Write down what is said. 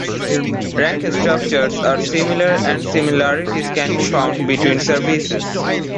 Rank structures are similar and similarities can be found between services.